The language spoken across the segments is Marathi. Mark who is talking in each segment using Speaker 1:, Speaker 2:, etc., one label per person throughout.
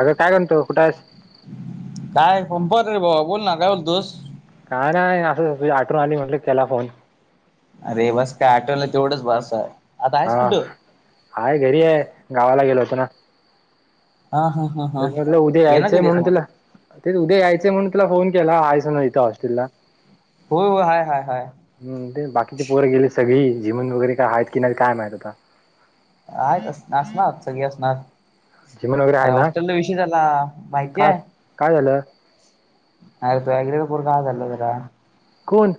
Speaker 1: अगं काय करणतो कुठं
Speaker 2: काय संणपात रे बाबा बोल ना काय बोल तुस
Speaker 1: काय नाही असं तझ आठवून आली म्हटलं केला फोन
Speaker 2: अरे बस काय आटोला तेवढंच बस आहे आता
Speaker 1: हा
Speaker 2: आहेस कुठं
Speaker 1: आहेाय घरी आहे गावाला गेलो होत ना
Speaker 2: हा हा हा हा
Speaker 1: त्याचमधलं उद्या
Speaker 2: येणार
Speaker 1: यायचंय
Speaker 2: कधीस
Speaker 1: म्हणून
Speaker 2: मग
Speaker 1: तुला तेच उद्या यायचंय म्हणून तुला फोन केला आहेयच ना इथं हॉस्टेलला
Speaker 2: हो हय हय हय
Speaker 1: हम् ते बाकीचे पोर गेले सगळी जिमून वगैरे काय आहेत की नाहीत काय माहित आता
Speaker 2: आहेत असणार सगळी असणार
Speaker 1: जिमन वगैरे आहे
Speaker 2: अरे
Speaker 1: ना
Speaker 2: हॉस्टेल विषय झाला माहिती
Speaker 1: काय
Speaker 2: आहे
Speaker 1: काय झालं
Speaker 2: अ तुग पूर का आगल जरा
Speaker 1: कोण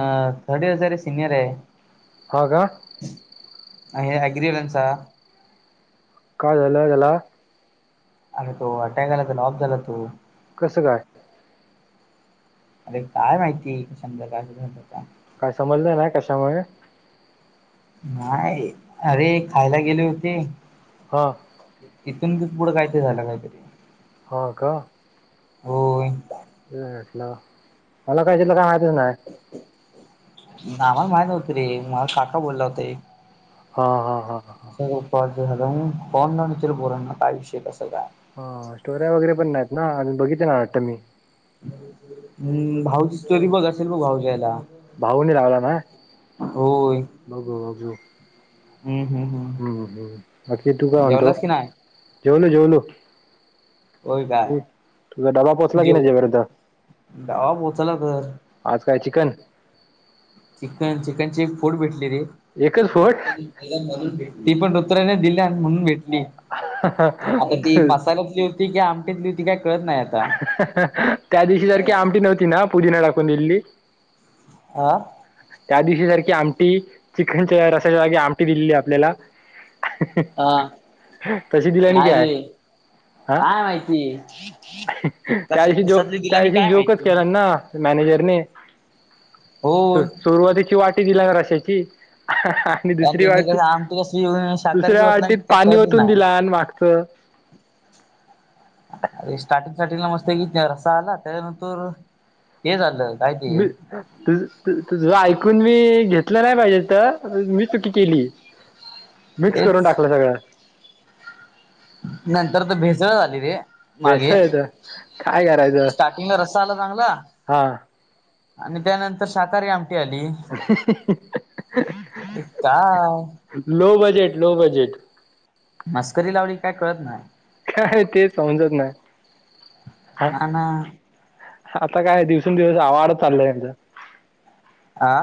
Speaker 2: अ थर्ड इयर हजारे सिनियर आहे
Speaker 1: ह
Speaker 2: अ अग्रिलनस
Speaker 1: काय झालं झाला
Speaker 2: आणि तो अटॅक आला त लॉब झाला तो
Speaker 1: कसं घाट
Speaker 2: अरे काय माहिती आहे समजाता
Speaker 1: काय समजलं नाही कशामुळे
Speaker 2: नाही अरे खायला गेली होती
Speaker 1: हां
Speaker 2: तथून तच पुुडं कायतरी झालं काहीतरी
Speaker 1: हांँगकाँग
Speaker 2: हो
Speaker 1: म्हटलं मला काही तलं काय माहतीच नाही
Speaker 2: आमला माही नव्हती रे मझ काका बोलला होता
Speaker 1: हा हा हा ह
Speaker 2: झाला कोण न तरर बोला ना काय विषय कसा काय
Speaker 1: हा स्टोऱ्या वगैरे पण नाहीत ना आणि बघित ना वाटत मी
Speaker 2: हम्म भाऊची स्टोरी बघ असेल मग भाऊज याला
Speaker 1: भाऊनी लागला ना
Speaker 2: होय
Speaker 1: बघू बघू
Speaker 2: हम् हम हम
Speaker 1: हम्म हम् बाकी तू काय म्हत
Speaker 2: नाही
Speaker 1: जेऊल जेऊलू
Speaker 2: होय काय
Speaker 1: तू तुझा डबा पोचला कि
Speaker 2: जेव
Speaker 1: नाही जेपर्यंत
Speaker 2: गावा पोहोचला तर
Speaker 1: आज काय चिकन
Speaker 2: चिकन चिकन चे एक फोड भेटले रे
Speaker 1: एकच फोड
Speaker 2: ती पण रुत्र्याने दिल्या म्हणून भेटली
Speaker 1: [unintelligible] [inaudible]
Speaker 2: चालतली होती आमटली होती का कळत नाही आता
Speaker 1: त्या दिवशी सारखी आमटी नव्हती ना पुदीिना टाकून दिली
Speaker 2: आह
Speaker 1: त्या दिवशी सारखी आमटी चिकखनच्या रसाच्या जागी आमटी दिलेली आपल्याला
Speaker 2: अ
Speaker 1: तशी दिला न
Speaker 2: नाही
Speaker 1: काय
Speaker 2: रे
Speaker 1: हा
Speaker 2: काय माहिती
Speaker 1: त्या
Speaker 2: कश
Speaker 1: दिवशी जो
Speaker 2: कशातली
Speaker 1: त्या
Speaker 2: दिल्यानी
Speaker 1: दिवशी
Speaker 2: काय
Speaker 1: जोकच
Speaker 2: माहिती
Speaker 1: केला ना मॅनेजरने
Speaker 2: हो
Speaker 1: सु- सुरुवातीची वाटी दिला ना रशाची आणि दुसरी
Speaker 2: इकडे
Speaker 1: वाटी
Speaker 2: कसं आमटी कसली शाकाहारीची
Speaker 1: दुसऱ्या
Speaker 2: होतला
Speaker 1: वाटीत
Speaker 2: की काय
Speaker 1: पाणी
Speaker 2: कळतच
Speaker 1: वतून
Speaker 2: नाही.
Speaker 1: दिला आणि मागचं [inaudible]
Speaker 2: अरे स्टार्टिंग स्टार्टिंगला मस्त की रस्सा आला त्याच्यानंतर हे झालं. काय ते
Speaker 1: मी. तु तुझ ऐकून मी घेतलं नाही पाहिजे तर मी चुकी केली. मिक्स करून
Speaker 2: हेच
Speaker 1: टाकलं सगळं.
Speaker 2: नंतर तर भेसळ झाली रे मागे
Speaker 1: भेसळ येतं काय करायचं
Speaker 2: स्टार्टिंगला रस्सा आला चांगला
Speaker 1: हा
Speaker 2: आणि त्यानंतर सााकाहारी आमटी आली. अरे काय
Speaker 1: लो बजेट लो बजेट.
Speaker 2: मस्करी लावली काय कळत नाही.
Speaker 1: काय ते समजत नाही. हा
Speaker 2: ना ना.
Speaker 1: आता काय दिवसेंदिवस आवाड चालय त्यांचचा
Speaker 2: आा.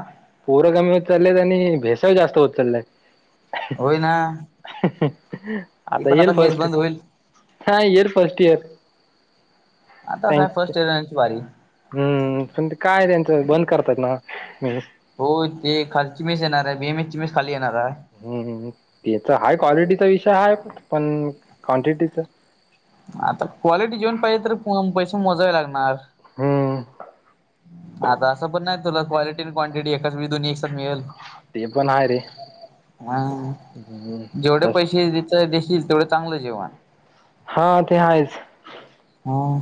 Speaker 1: पोरं कमी होत चालत आणि भेसाळ जास्त होत चालत.
Speaker 2: होई ना. ती
Speaker 1: आता
Speaker 2: पण
Speaker 1: येर
Speaker 2: मेस
Speaker 1: फस्ट
Speaker 2: बंद होईल.
Speaker 1: हा येर फस्ट इयर
Speaker 2: आता काय
Speaker 1: थँक
Speaker 2: फर्स्ट एची वारी
Speaker 1: हम्म पण ते काय त्यांचं बंद करतात ना मी
Speaker 2: हो ते खालची मीस येणार आहे बे मिची मीस खाली येणार आहे.
Speaker 1: ह त्याचा हा क्वालिटीचा विषय ह पण क्वांटिटीच.
Speaker 2: आता क्वालिटी जेऊन पाहिजे तर पैसे मोजावे लागणार.
Speaker 1: हम.
Speaker 2: आता असं पण नाही तुला क्वालटी आणि क्वांटिटी एकाची दोन्ही एकसात मिळेल.
Speaker 1: ते पण आहे रे.
Speaker 2: ह
Speaker 1: हं,
Speaker 2: जेवढे
Speaker 1: फस्ट
Speaker 2: पैसे. देखील तेवढं चांगलं जेवण.
Speaker 1: हा ते आहेा आहेच
Speaker 2: ह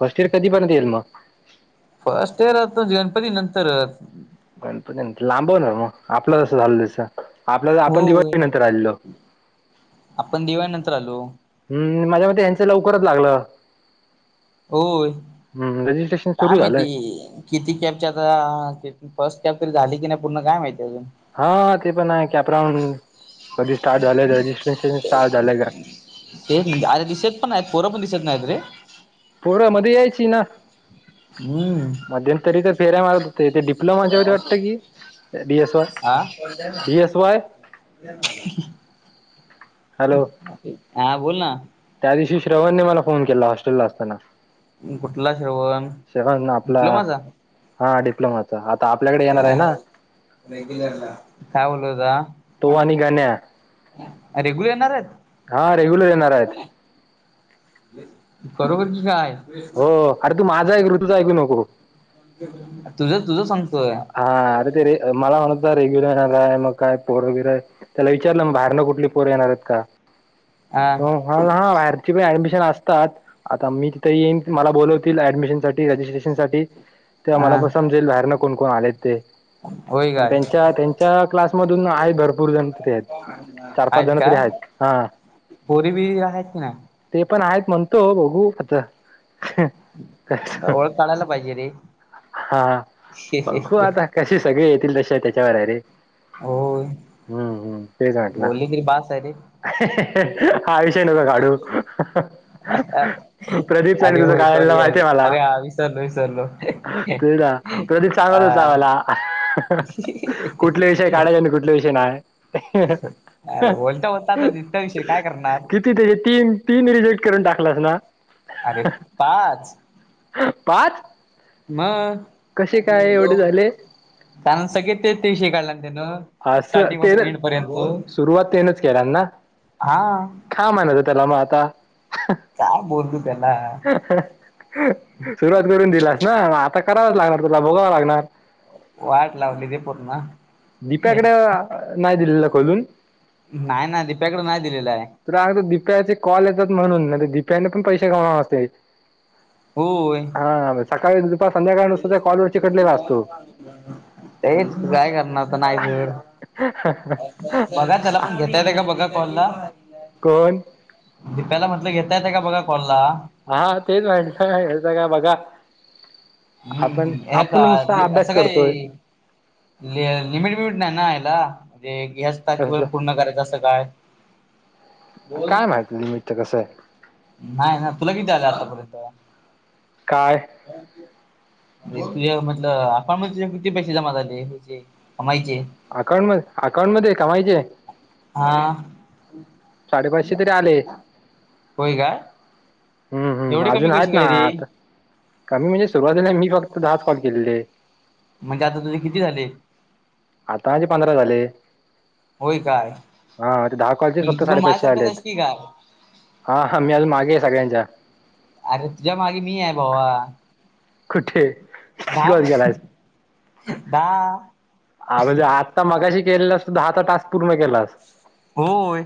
Speaker 1: फर्स्ट इर कधी पण येईल मग.
Speaker 2: फर्स्ट ए राहतो जेवणपरी नंतर.
Speaker 1: गणपती लांबवणार मग आपलंसं झालं तसं. आपल्या तर आपण दिवाळी
Speaker 2: होय
Speaker 1: नंतर आलेलो.
Speaker 2: आपण दिवाळी नंतर आलो
Speaker 1: हम् माझ्या मते यांचं लवकरच लागलं.
Speaker 2: होय
Speaker 1: हं, रजिस्ट्रेशन
Speaker 2: काय
Speaker 1: सुरू झालंय.
Speaker 2: माहिती किती कॅबच्या आता फर्स्ट कॅब तरी झाली की नाही पूर्ण काय माहिती अजून
Speaker 1: हा ते पण आहे की अपरांड कधी स्टार्ट झालंय रजिस्ट्रेशन स्टार्ट झालंय का?
Speaker 2: तेच म्हणे अरे दिसत पण आहेत पोरं पण दिसत नाहीत रे.
Speaker 1: पोर मध्ये यायची ना.
Speaker 2: ह.
Speaker 1: मध्यंतरी तर फेऱय मारत ते डिप्लोमाच्याध्ये वाटतं की एस वाय
Speaker 2: हा
Speaker 1: डी एस वाय. हॅलो
Speaker 2: हा बोल ना.
Speaker 1: त्या दिवशी श्रवणने मला फोन केला हॉस्टेलला असताना
Speaker 2: कुठला श्रवण
Speaker 1: शग ना आपला
Speaker 2: डिप्लोमाचा.
Speaker 1: हा डिप्लोमा अच् आता आपल्याकडे येणार आहे ना.
Speaker 2: ेगुल काय बोलू होता.
Speaker 1: होवानी गाण्या्या.
Speaker 2: रेग्युल येणार आहेत.
Speaker 1: हा रेग्युलर येणार आहेत.
Speaker 2: खरोबरची काय?
Speaker 1: हो अरे तू माझा एक ऋतूचा ऐकू नको.
Speaker 2: तुझं तुझ सांगतोय.
Speaker 1: हा अरे ते रे मला म्हणत रेग्युलरला आहे मग काय पोर वगैरे त्याला विचारलं म बाहेरनं कुठली पोर येणार आहेत का
Speaker 2: हा
Speaker 1: त हा हा बाहेरची पण ऍडमिशन असतात आता मी तिथे येईन मला बोलवतील ऍडमिशन साठी रजिस्ट्रेशन सा ते मला
Speaker 2: हा
Speaker 1: प समजेल बाहेरन कोण कोण आलेत ते
Speaker 2: होय
Speaker 1: पण
Speaker 2: काय
Speaker 1: त्यांच्या त्यांच्या क्लासमधून आहेत भरपूर जण तरी आहेत चार पाच जण ते आहेत हा
Speaker 2: बोरी बी आहेत की नाही
Speaker 1: ते पण आहेत म्हणतो बघू आता
Speaker 2: ओळख काढायला पाहिजे रे
Speaker 1: हा बघू आता कसे सगळे येतील तशा त्याच्यावर अरे
Speaker 2: होय
Speaker 1: हम्म हम्म तेच म्हटलं
Speaker 2: बोलली तरी बास आहे रे
Speaker 1: आयुष न काडू प्रदीप सानी
Speaker 2: अरे
Speaker 1: तुझं
Speaker 2: होय
Speaker 1: गायला
Speaker 2: सॉरी
Speaker 1: माहिती
Speaker 2: अरे
Speaker 1: आहेय मला
Speaker 2: अरे हा विसरलो विसरलो
Speaker 1: तेडा
Speaker 2: अ
Speaker 1: ला कुठले विषय काढायचे आणि कुठले विषय नाही
Speaker 2: अरे बोलता होता आता नित्याविषयी काय करणार
Speaker 1: त्या तीम तीम रिजेक्ट करून टाकलास ना
Speaker 2: अरे पाच
Speaker 1: पाच
Speaker 2: म
Speaker 1: कसे काय एवढे झाले
Speaker 2: त्यान सगळे तेच तेवशी काढल्या त्यानं
Speaker 1: असं
Speaker 2: स्टार्टिंग
Speaker 1: ते
Speaker 2: पासून
Speaker 1: ना
Speaker 2: एंड पर्यंत
Speaker 1: सुरुवात तेनच केला ना
Speaker 2: हा
Speaker 1: काा म्हणात हो त्याला मग आता
Speaker 2: काय बोलतू त्याला
Speaker 1: सुरुवात करून दिलास ना आता करावंच लागणार तुला भोगावं लागणार
Speaker 2: वाट लावली रे पूर्ण
Speaker 1: दीप्याकडे नाही दिलेलं खोलून
Speaker 2: नाही ना दीप्याकड नाही दिलेलं आहे
Speaker 1: तरग द दिप्याचे कॉल येतात म्हणून दिप्याने पण पैसे कमाव असते
Speaker 2: होय
Speaker 1: हा सकाळी दुपास
Speaker 2: तेच काय करणार तर नाही जर बघा चला पण घेता येत का बघा कॉल ला
Speaker 1: कोण
Speaker 2: दीपा्याला म्हटलं घेता येत का बघा कॉलला
Speaker 1: हा तेच माहि का बघा आपण
Speaker 2: हम्म हे
Speaker 1: आपण
Speaker 2: का
Speaker 1: नुसत अभ्यास
Speaker 2: असं काय
Speaker 1: करतोय
Speaker 2: लिमिट बिमिट नाही ना याला म्हणे गॅस
Speaker 1: कसलं
Speaker 2: पूर्ण करायचं असं काय बोल
Speaker 1: काय माहिती लिमिटच कसं आहे
Speaker 2: नाही ना तुला किती आलं आतापर्यंत
Speaker 1: काय
Speaker 2: तुझ्या म्हटल आपण मग तुझे किती पैसे जमा झाले होचे कमायचे
Speaker 1: अकाउंट म अकाउंटमध्येध्ये कमायचे
Speaker 2: हा
Speaker 1: साडेपाचशे तरी आले
Speaker 2: कोय काय
Speaker 1: हम्म हम्
Speaker 2: एवढे कमी
Speaker 1: अजून
Speaker 2: कशी
Speaker 1: आहेत ना
Speaker 2: काय रे
Speaker 1: आत कमी म्हणजे सुरुवातीला मी फक्त दहाच पाग गेलेले
Speaker 2: म्हणजे आता तुझे किती झाले
Speaker 1: आताचे पंधरा झाले
Speaker 2: होय काय
Speaker 1: हा ते दहा कॉलेजस फक्त
Speaker 2: तू पण
Speaker 1: साडेपाचशे
Speaker 2: माझ्यासारखाच आहेस
Speaker 1: आलेत
Speaker 2: की काय
Speaker 1: हा हा मी अ मागे आहे सगळ्यांच्या
Speaker 2: अरे तुझ्या मागे मी आहे भाबा
Speaker 1: कठे
Speaker 2: बा बा
Speaker 1: हा म्हणजे आत्ता मगाशी केलेला सुद्धाता टास्क पूर्ण केला अस
Speaker 2: होय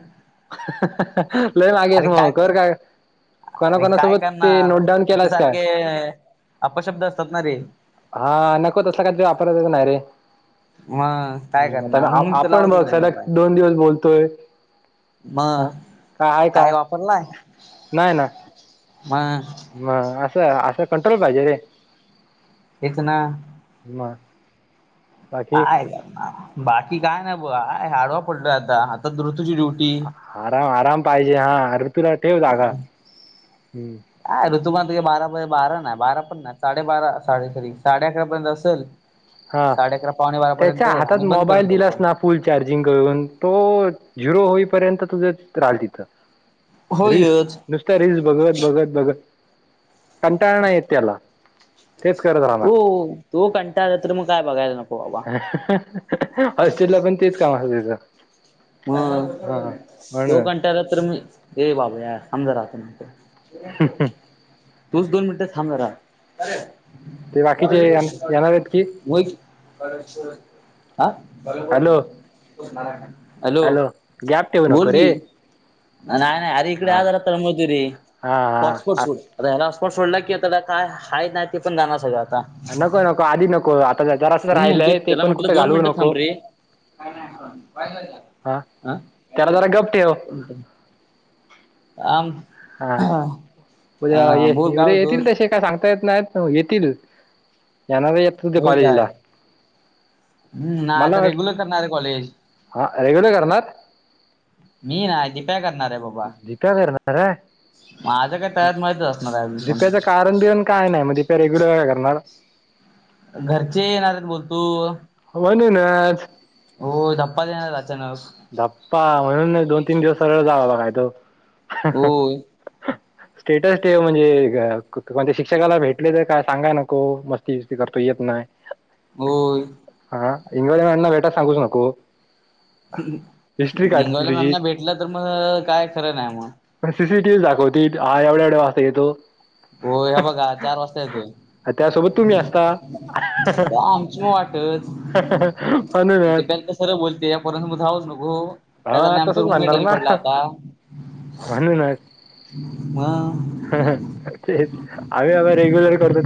Speaker 1: लय मागेस
Speaker 2: अरे
Speaker 1: म
Speaker 2: काय
Speaker 1: कर का
Speaker 2: अरे काय
Speaker 1: कोणाकणासोबत ते
Speaker 2: करणार
Speaker 1: नोटडाऊन
Speaker 2: इथे
Speaker 1: केलास का
Speaker 2: सारखे अपशब्द असतात ना रे
Speaker 1: हा नको तसला काध वापरायच नाही रे
Speaker 2: मा
Speaker 1: हम् आता म आपण बघ सध्या दोन दिवस बोलतोय हा
Speaker 2: मग
Speaker 1: का आहे का
Speaker 2: काय
Speaker 1: नाही ना
Speaker 2: हा
Speaker 1: म असं असं कंट्रोल पाहिजे रे
Speaker 2: इतना
Speaker 1: ज
Speaker 2: आहे का बाकी काय नाही ब हडवा पडलय आता आता ऋुतूची ड्युटी
Speaker 1: आराम आराम पाहिजे हा अरऋ तुला ठेव जा का हम्
Speaker 2: अ ऋतुम तुे बारा बारा नाही बारा पण नाही साडेबारा साडेरी साडे अकरा पर्यंत असेल
Speaker 1: हा
Speaker 2: साडे अकरा पावणे बारापर्यंत
Speaker 1: त्याच्या हातात
Speaker 2: आणि बंद
Speaker 1: मोबाईल
Speaker 2: करेल तो
Speaker 1: दिलास
Speaker 2: फोन
Speaker 1: ना फुल चार्जिंग करून तो झिरो होईपर्यंत तुझं राहिल तिथं रिस
Speaker 2: होयच
Speaker 1: नुसत रिस भगवत बगत बगत कंटाळणा येत त्याला तेच करत राहणार
Speaker 2: त तो कंटा तर मग काय बघायला नको
Speaker 1: हॉस्टेल ला पण तेच काम असतं तिचं
Speaker 2: ह
Speaker 1: म्हणून
Speaker 2: तोघंट्याला तर मी र बाबा या समजा राहतो ना तूच दोन मिनिटं थांब ज
Speaker 1: ते
Speaker 2: [inaudible]
Speaker 1: बाकीचे येण- येणार आहेत की
Speaker 2: कर हा बोल
Speaker 1: हॅलो
Speaker 2: मारा हॅलो
Speaker 1: गॅप ठेवू
Speaker 2: बोल
Speaker 1: नको
Speaker 2: की
Speaker 1: रे
Speaker 2: नाय ना अरे
Speaker 1: हा
Speaker 2: इकडेार तळबोतवरी
Speaker 1: हा
Speaker 2: हॉट
Speaker 1: हा
Speaker 2: स्पोट आता ह्यालापॉट सोडला कि आ त्याला काय हा नाही ते पण जाणार सगळं आता
Speaker 1: नको नको आधी नको आता जरा असं
Speaker 2: म्हणून म्हणतोय
Speaker 1: राहिलंय ते पण कुठे घालवू नको
Speaker 2: काय नाही पाय झा
Speaker 1: हा त्याला जरा गप ठेव
Speaker 2: आम
Speaker 1: हा
Speaker 2: ह
Speaker 1: उद्या ये उद्या येतील तसे काय सांगता येत नाहीत येतील येणार य तू ते
Speaker 2: होय काय
Speaker 1: कलेजला
Speaker 2: हम्म नाही आता
Speaker 1: वाट
Speaker 2: रेग्युलर करणार आहे कॉलेज
Speaker 1: हा रेग्युलर करणार
Speaker 2: मी नाही दीप्या करणार आहे बाबा
Speaker 1: दीप्या कररणार
Speaker 2: माझं काय
Speaker 1: आहे
Speaker 2: तळ्यात मळ्यातच असणार आहे अजून
Speaker 1: दप्याच
Speaker 2: पण
Speaker 1: कारण देिन काय नाही मग प रेग्युलर काय करणार
Speaker 2: घरचे नाराण बोलतो
Speaker 1: बन ना आज
Speaker 2: हो प्पा देणार अचानक
Speaker 1: धप्पा म्हणून नाही दोन तीन दिवस सरळ जावं बघाय तो
Speaker 2: होय
Speaker 1: स्टेटस म्हणजे म्हणजे शिक्षकाला भेटले तर काय सांगाय नको मस्त ती करतो येत नाही
Speaker 2: होय
Speaker 1: हा हंगळी मणना भेटा सांगूच नको हिस्ट्री काढतील
Speaker 2: निंगवला
Speaker 1: तुझी
Speaker 2: मॅमना भेटलं तर मग काय खरं ना नाही मग
Speaker 1: पण सीसीटीव्ही दाखवती हा एवढ्या एवढा वाजता येतो
Speaker 2: होय हे बघा चार वाजता येतोय
Speaker 1: त्यासोबत तुम्ही असता
Speaker 2: आमची मग वाटच
Speaker 1: अनुूनद
Speaker 2: खरं बोलते यापर्यंत मग धावच नको. त्यात
Speaker 1: हा
Speaker 2: आमचा
Speaker 1: तसंच
Speaker 2: रूम
Speaker 1: म्हणणार
Speaker 2: मेटरी
Speaker 1: ना
Speaker 2: पडला होता ह..
Speaker 1: हा हा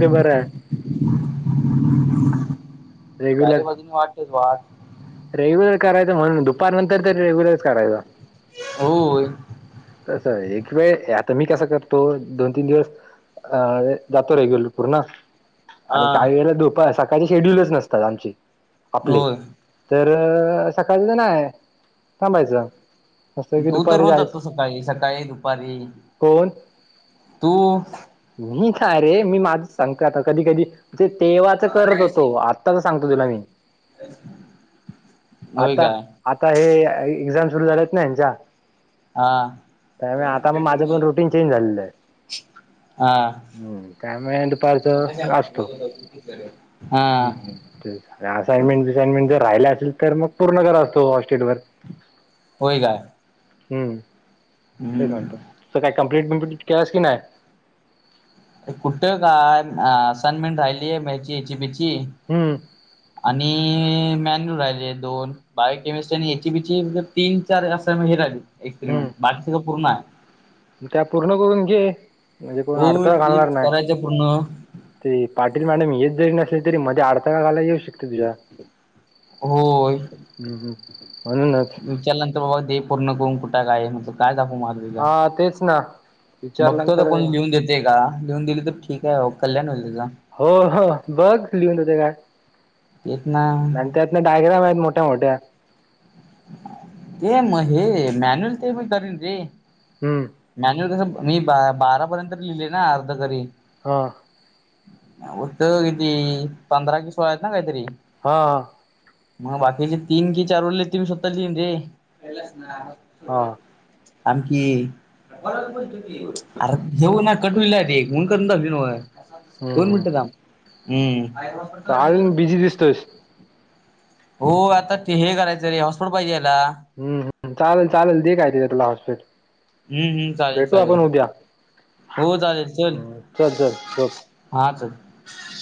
Speaker 1: ते बरं आहे
Speaker 2: चार
Speaker 1: रेग्युलर
Speaker 2: बाजू वाट केस वाट
Speaker 1: रेग्युलर करायचं म्हणून दुपार नंतर तरी रेग्युलर करायचं.
Speaker 2: हो
Speaker 1: तसं एक वेळ आता मी कसां करतो दोन तीन दिवस अ जातो रेगुलर
Speaker 2: हा.
Speaker 1: आणि काही वेला दोप सकाळचे शेड्यूलच नसतात आमचे आपले
Speaker 2: होय
Speaker 1: तर सकाळच नाहीय. कामायच
Speaker 2: तू तर रोज जातो सकाळी सकाळी दुपारी
Speaker 1: कोण
Speaker 2: तू
Speaker 1: मी काय रे मी माझच सांगत कधी कधी ते तेवाच करत होतो आ.. आताच सांगतो तुला मी
Speaker 2: होय
Speaker 1: आता
Speaker 2: काय
Speaker 1: आता हे एक्झाम सुरू झालेत ना हच्या
Speaker 2: हा
Speaker 1: त्यामुळे आता मग माझ्या प रुटीन चेंज झालेलं आहे.
Speaker 2: हा
Speaker 1: हम्म त्यामुळे दुपारच असतो.
Speaker 2: हा
Speaker 1: असाइनमेंट बसाइनमेंट जर राहिला असेल तर मग पूर्ण कररा असतो हॉस्टेल वर
Speaker 2: होय का.
Speaker 1: हम्म तेच म्हणत तुसं काही कम्प्लीट बम्प्लीट केलंस की नाही.
Speaker 2: कुठ काय सनमन राहिलीय मचीची बीची
Speaker 1: हम्म
Speaker 2: आणि मॅन्यू राहिले दोन बायोकेमिस्ट्री आणि एची बीची तीन चार असं हे राहिले. एक्सपेरिमेंट
Speaker 1: हम्म
Speaker 2: बाकीच तर पूर्ण आहे.
Speaker 1: त्या पूर्ण करून घे म्हणजे कोण
Speaker 2: हो
Speaker 1: अडथळा घालणार
Speaker 2: तेच
Speaker 1: नाही.
Speaker 2: करायचं पूर्ण
Speaker 1: ते पाटील मॅडम हेच जरी नसले तरी मध्ये अडथकाळला येऊ शकत. हम्
Speaker 2: होय
Speaker 1: हम् म्हनुनच
Speaker 2: विचारल्यानंतर बाबा दे पूर्ण करून कुठा काय म्ह काय दाखवू. तुला
Speaker 1: हा तेच ना
Speaker 2: बघतो
Speaker 1: विचारल्यानंतर
Speaker 2: कोण लिहून देते का लिहून दिली तर ठीक आहे कल्याण होईल त्याचा
Speaker 1: हो हो बघ लिहून होते काय.
Speaker 2: इतना
Speaker 1: त्यातने डायग्राम आहेत मोठ्या मोठ्या
Speaker 2: ये म हे मॅन्युअल ते मी करन रे
Speaker 1: हम्म
Speaker 2: मॅन्युअल कसं मी बारापर्यंत लिहिले ना अर्धकरी
Speaker 1: हां
Speaker 2: उघत किती पंधरा कि सोळा आहेत ना काहीतरी
Speaker 1: हा
Speaker 2: मग बाकीचे तीन कि चार उरले ती मी स्वतः लिन रे
Speaker 1: हा
Speaker 2: आनखी अर घेऊन कट होल एकून करून दाली
Speaker 1: हम्म
Speaker 2: दोन मिनट थाम्ब.
Speaker 1: अजून बीजी दिसतोस.
Speaker 2: हो आता हे करायचं रे हॉटस्पॉट पाहिजे याला..
Speaker 1: हम् हम चालेल चालेल दे काय ति तुला हॉस्पिटल
Speaker 2: हम्म हम्म चालेल
Speaker 1: भेटू
Speaker 2: चालेल
Speaker 1: आपण उद्या
Speaker 2: हो चालेल चल.
Speaker 1: हम्म चल चल झोप
Speaker 2: हाच